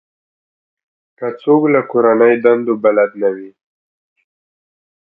که څوک له کورنۍ دندو بلد نه وي.